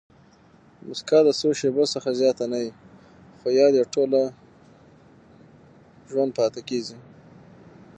مسکا د څو شېبو څخه زیاته نه يي؛ خو یاد ئې ټوله ژوند پاتېږي.